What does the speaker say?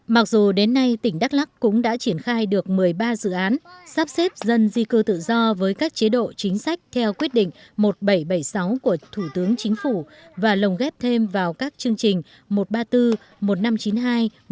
mặc dù đến nay tỉnh đắk lắc cũng đã triển khai được một mươi ba dự án sắp xếp dân di cư tự do với các chế độ chính sách theo quyết định một nghìn bảy trăm bảy mươi sáu của thủ tướng chính phủ và lồng ghép thêm vào các chương trình một trăm ba mươi bốn một nghìn năm trăm chín mươi hai một nghìn chín trăm